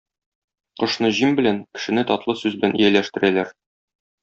Кошны җим белән, кешене татлы сүз белән ияләштерәләр.